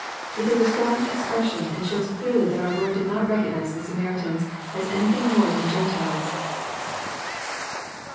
It is a strong expression, and shows clearly that our Lord did not recognize the Samaritans as anything more than Gentiles.